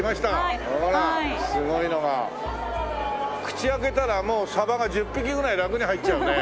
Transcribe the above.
口開けたらもうサバが１０匹ぐらいラクに入っちゃうね。